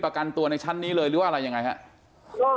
ประกันตัวในชั้นนี้เลยหรือว่าอะไรยังไงครับ